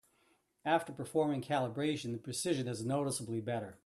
After performing calibration, the precision is noticeably better.